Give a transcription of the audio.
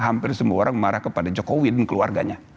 hampir semua orang marah kepada jokowi dan keluarganya